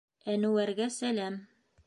Әнүәргә сәләм